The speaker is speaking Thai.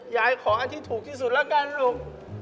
ยายของอันที่ถูกที่สุดแล้วกันลูก